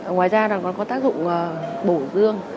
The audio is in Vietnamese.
ngoài ra nó có tác dụng bổ dương